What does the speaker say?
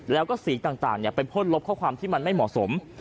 แล้วก็สิ่งต่างไปพ่นลบข้อความที่มันไม่เหมาะสม